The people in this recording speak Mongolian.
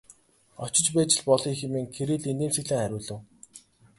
Очиж байж л болъё хэмээн Кирилл инээмсэглэн хариулав.